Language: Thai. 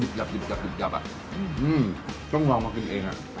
ชิลลี่ก็ไม่เหมือนเพราะไม่แข็งเท่า